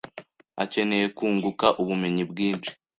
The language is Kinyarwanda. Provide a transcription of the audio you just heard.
akeneye kunguka ubumenyi bwinshi.